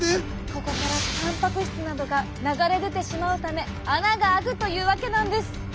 ここからたんぱく質などが流れ出てしまうため穴があくというわけなんです。